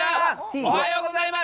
おはようございます。